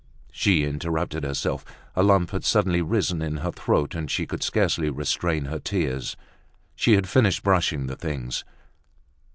She interrupted herself. A lump had suddenly risen in her throat, and she could scarcely restrain her tears. She had finished brushing the things.